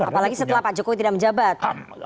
apalagi setelah pak jokowi tidak menjabat